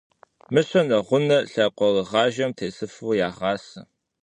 Мыщэ нэгъунэ лъакъуэрыгъажэм тесыфу ягъасэ.